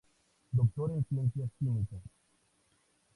Doctor en Ciencias Químicas.